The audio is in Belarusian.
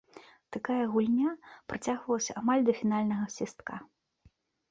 Такая гульня працягвалася амаль да фінальнага свістка.